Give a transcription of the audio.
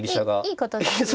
いい形ですよね。